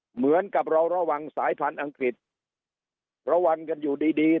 เหมือนกับเราระวังสายพันธุ์อังกฤษระวังกันอยู่ดีดี